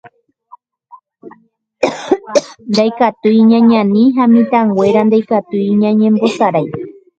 Ndaikatúi ñañani ha mitãnguéra ndaikatúi ñañembosarái.